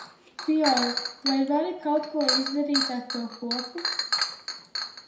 Fiona, vai vari kaut ko izdarīt ar to koku?